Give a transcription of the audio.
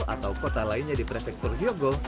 atau kota lainnya di prefektur gyogo